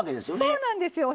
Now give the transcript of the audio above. そうなんですよ。